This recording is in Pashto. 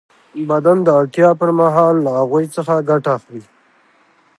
بدن د اړتیا پر مهال له هغوی څخه ګټه اخلي.